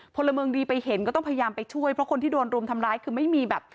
พลเมืองดีไปเห็นก็ต้องพยายามไปช่วยเพราะคนที่โดนรุมทำร้ายคือไม่มีแบบ